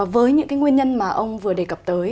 với những cái nguyên nhân mà ông vừa đề cập tới